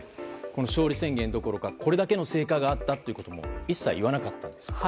勝利宣言どころかこれだけの成果があったかも一切言わなかったんですよね。